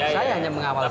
saya hanya mengawal saja